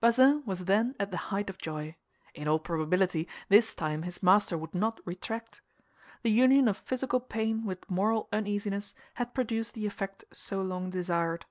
Bazin was then at the height of joy. In all probability, this time his master would not retract. The union of physical pain with moral uneasiness had produced the effect so long desired.